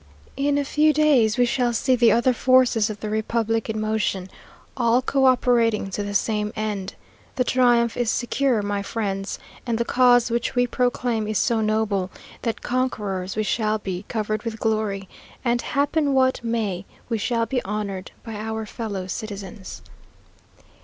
"In a few days we shall see the other forces of the republic in motion, all co operating to the same end. The triumph is secure, my friends, and the cause which we proclaim is so noble, that conquerors, we shall be covered with glory; and, happen what may, we shall be honoured by our fellow citizens."